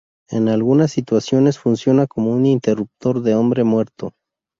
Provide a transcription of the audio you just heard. En algunas situaciones funciona como un interruptor de hombre muerto.